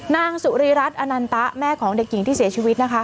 นางสุรีรัฐอนันตะแม่ของเด็กหญิงที่เสียชีวิตนะคะ